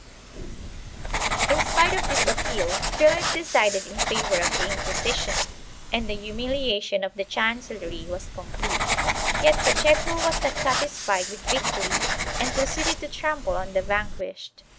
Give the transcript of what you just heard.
488 CONFLICTING JURISDICTIONS [BOOK II In spite of this appeal, Philip decided in favor of the Inquisi tion and the humiliation of the chancellery was complete. Yet Pacheco was not satisfied with victory and proceeded to trample on the vanquished.